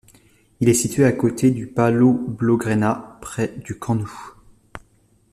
Il est situé à côté du Palau Blaugrana, près du Camp Nou.